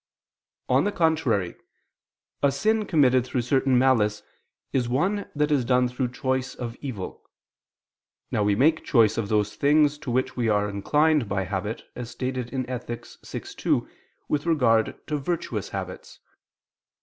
On the contrary, A sin committed through certain malice is one that is done through choice of evil. Now we make choice of those things to which we are inclined by habit, as stated in Ethic. vi, 2 with regard to virtuous habits.